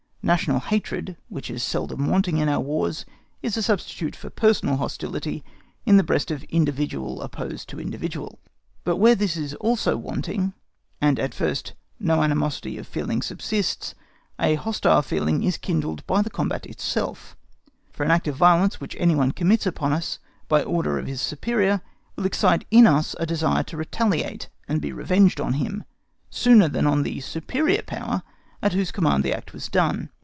National hatred, which is seldom wanting in our Wars, is a substitute for personal hostility in the breast of individual opposed to individual. But where this also is wanting, and at first no animosity of feeling subsists, a hostile feeling is kindled by the combat itself; for an act of violence which any one commits upon us by order of his superior, will excite in us a desire to retaliate and be revenged on him, sooner than on the superior power at whose command the act was done.